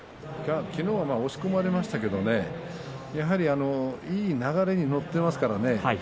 昨日は押し込まれましたけれどいい流れに乗っていますからね